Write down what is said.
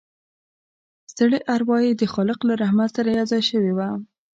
ستړې اروا يې د خالق له رحمت سره یوځای شوې وه